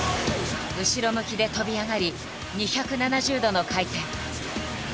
後ろ向きで跳び上がり２７０度の回転。